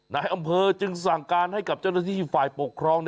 นายอำเภอจึงสั่งการให้กับเจ้าหน้าที่ฝ่ายปกครอง